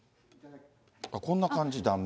こんな感じ、断面。